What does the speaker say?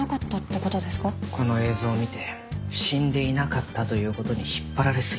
この映像を見て死んでいなかったという事に引っ張られすぎた。